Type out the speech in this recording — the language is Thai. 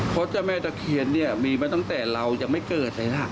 เพราะเจ้าแม่ตะเคียนเนี่ยมีมาตั้งแต่เรายังไม่เกิดเลยนะ